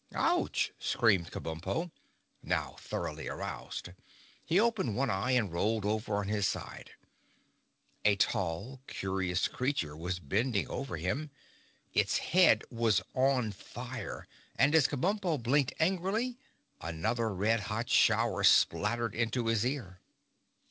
_" "Ouch!" screamed Kabumpo, now thoroughly aroused. He opened one eye and rolled over on his side. A tall, curious creature was bending over him. Its head was on fire and as Kabumpo blinked angrily another red hot shower spattered into his ear.